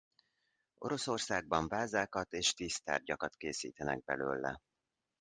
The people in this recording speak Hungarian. Oroszországban vázákat és dísztárgyakat készítenek belőle.